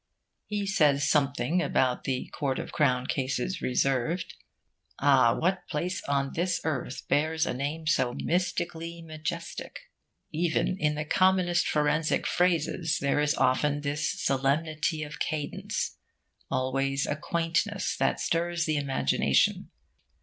He says something about the Court of Crown Cases Reserved... Ah, what place on this earth bears a name so mystically majestic? Even in the commonest forensic phrases there is often this solemnity of cadence, always a quaintness, that stirs the imagination...